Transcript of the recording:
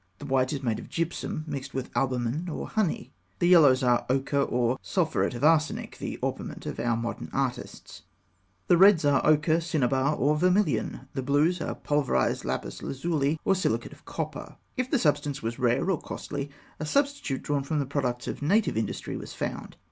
The white is made of gypsum, mixed with albumen or honey; the yellows are ochre, or sulphuret of arsenic, the orpiment of our modern artists; the reds are ochre, cinnabar, or vermilion; the blues are pulverised lapis lazuli, or silicate of copper. If the substance was rare or costly, a substitute drawn from the products of native industry was found.